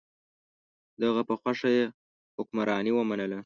د هغه په خوښه یې حکمراني ومنله.